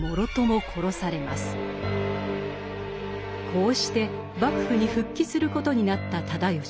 こうして幕府に復帰することになった直義。